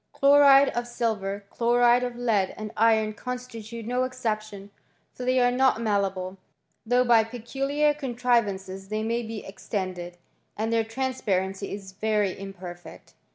Chloride of silver, chloride of lead and iron constitute no exception, for they are not malleable, though by peculiar contrivancec < they may be extended ; and their transparency is very imperfect.